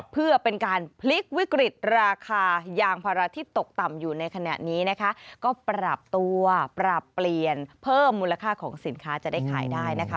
เพื่อเป็นการพลิกวิกฤตราคายางภาระที่ตกต่ำอยู่ในขณะนี้นะคะก็ปรับตัวปรับเปลี่ยนเพิ่มมูลค่าของสินค้าจะได้ขายได้นะคะ